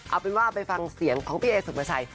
เอาเป็นว่าไปฟังเสียงของพี่เอสุภาชัย